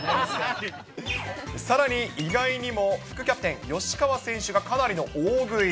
さらに、意外にも副キャプテン、吉川選手がかなりの大食い。